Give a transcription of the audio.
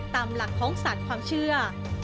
ตามหลักของศาสตร์ความเชื่อ